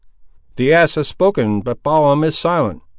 "The ass has spoken, but Balaam is silent!"